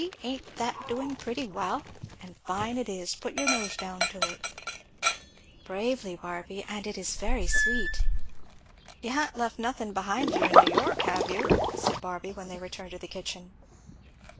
ain't that doing pretty well? and fine it is, put your nose down to it " "Bravely, Barby and it is very sweet." "You ha'n't left nothing behind you in New York, have you?" said Barby when they returned to the kitchen.